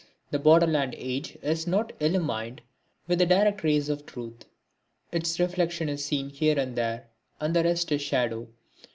This borderland age is not illumined with the direct rays of Truth; its reflection is seen here and there, and the rest is shadow.